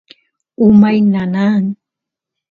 umay nanan